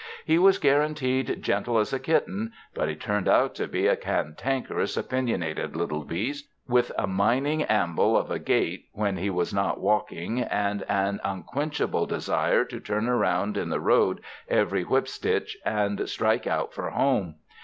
He was guaran teed gentle as a kitten ; but he turned out to be a cantankerous, opinionated little beast, with a minc ing amble of a gait, when he was not w^a Iking, and an unquenchable desire to turn around in the road every whipstitch and strike out for home.